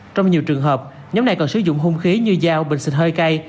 trong nhiều trường hợp nhóm này còn sử dụng hung khí như dao bình xịt hơi cay